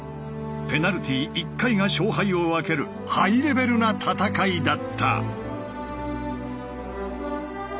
ペナルティ１回が勝敗を分けるハイレベルな戦いだった。